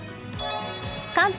関東